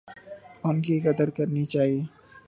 ان کی قدر کرنی چاہیے۔